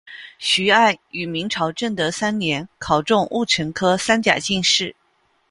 徐爱于明朝正德三年考中戊辰科三甲进士。